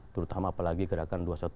terutama apalagi gerakan dua ratus dua belas